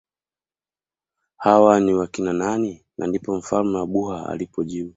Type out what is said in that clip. Hawa ni wakina nani na ndipo mfalme wa Buha alipojibu